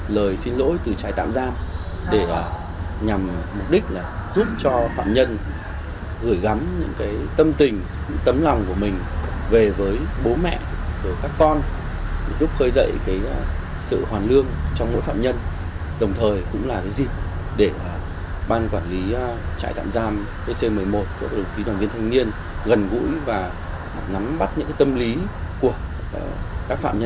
lời xin lỗi từ trại tạm giam cũng là một cách để họ xóa đi mập cảm của bản thân với người thân gia đình bị hại